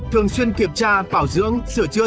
thường xuyên kiểm tra bảo dưỡng sửa chữa